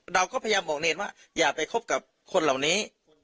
เราก็พยายามบอกเนรว่าอย่าไปคบกับคนเหล่านี้